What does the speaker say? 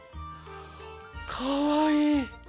かわいい！